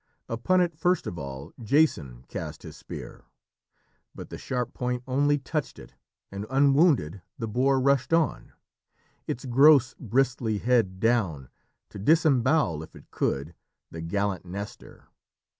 Upon it, first of all, Jason cast his spear. But the sharp point only touched it, and unwounded, the boar rushed on, its gross, bristly head down, to disembowel, if it could, the gallant Nestor.